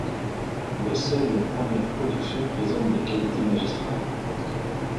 Mais seules les premières productions présentent des qualités magistrales.